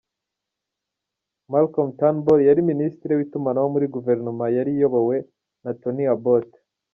Malcolm Turnbull yari Minisitiri w’Itumanaho muri Guverinoma yari iyobowe na Tonny Abbott.